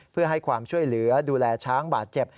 เพื่อให้ความช่วยเหลือดูแลช้างบาดเจ็บ